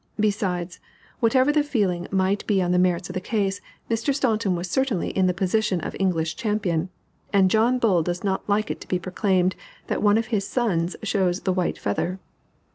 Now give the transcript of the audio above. Besides, whatever the feeling might be on the merits of the case, Mr. Staunton was certainly in the position of English champion, and John Bull does not like it to be proclaimed that one of his sons shows the "white feather."